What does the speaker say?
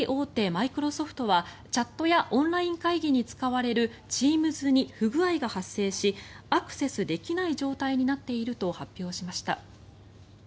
マイクロソフトはチャットやオンライン会議に使われるＴｅａｍｓに不具合が発生しアクセスできない状態になっていると発表しました。